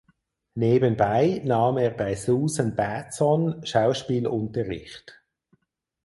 Nebenbei nahm er bei Susan Batson Schauspielunterricht.